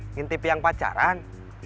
ngintip yang pacaran